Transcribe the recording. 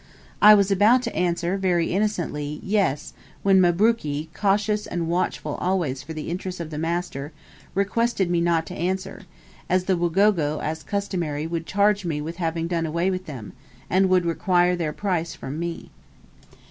I was about to answer, very innocently, "Yes," when Mabruki cautious and watchful always for the interests of the master requested me not to answer, as the Wagogo, as customary, would charge me with having done away with them, and would require their price from me.